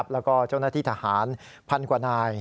แล้วก็เจ้าหน้าที่ทหารพันกว่านาย